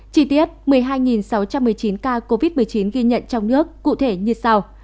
chi tiết một mươi hai sáu trăm một mươi chín ca covid một mươi chín ghi nhận trong nước cụ thể như sau